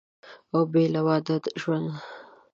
او بېله واده ژوند